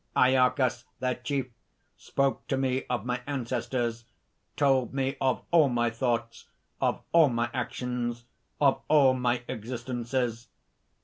Iarchas, their chief, spoke to me of my ancestors, told me of all my thoughts, of all my actions, of all my existences.